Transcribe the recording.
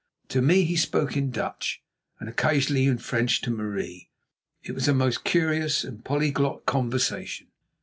To me he spoke in Dutch, and occasionally in French to Marie. It was a most curious and polyglot conversation.